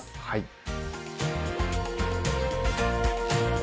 はい。